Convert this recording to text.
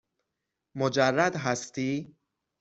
مجرد هستی؟